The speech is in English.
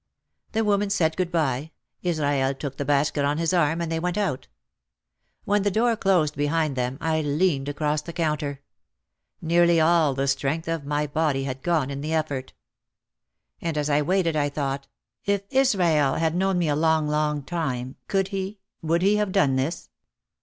The woman said good bye, Israel took the basket on his arm and they went out. When the door closed behind them I leaned across the counter. Nearly all the strength of my body had gone in the effort. And as I waited I thought, "If Israel had known me a long, long time could he, would he have done this?